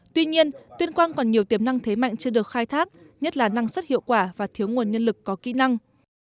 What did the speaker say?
tuy nhiên tuyên quang còn nhiều tiềm năng thế mạnh chưa được khai thác nhất là năng suất hiệu quả và thiếu nguồn nhân lực có kỹ năng